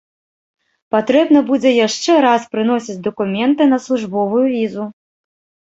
Патрэбна будзе яшчэ раз прыносіць дакументы на службовую візу.